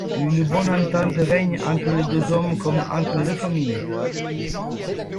Une bonne entente règne entre les deux hommes comme entre les deux familles.